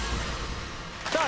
さあ